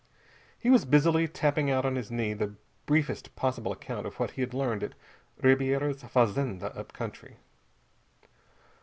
He was busily tapping out on his knee the briefest possible account of what he had learned at Ribiera's fazenda up country.